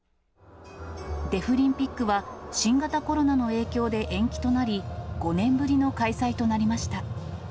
デフリンピックは、新型コロナの影響で延期となり、５年ぶりの開催となりました。